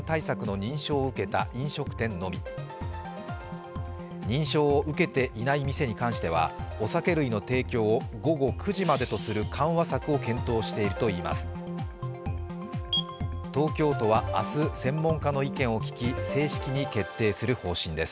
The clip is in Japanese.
認証を受けていない店に関してはお酒類の提供を午後９時までとする緩和策を検討しているといいます。